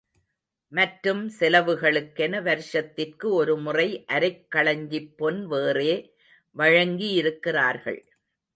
மற்றும் செலவுகளுக்கென வருஷத்திற்கு ஒரு முறை, அரைக் களஞ்சிப் பொன் வேறே வழங்கியிருக்கிறார்கள்.